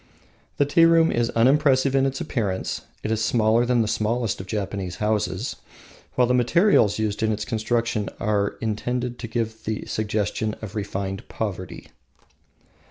The tea room is unimpressive in appearance. It is smaller than the smallest of Japanese houses, while the materials used in its construction are intended to give the suggestion of refined poverty.